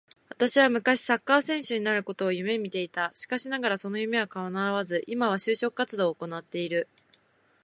私は昔サッカー選手になることを夢見ていた。しかしながらその夢は叶わず、今は就職活動を行っている